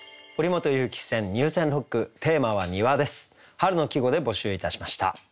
春の季語で募集いたしました。